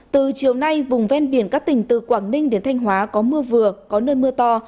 từ chiều nay vùng ven biển các tỉnh từ quảng ninh đến thanh hóa có mưa vừa có nơi mưa to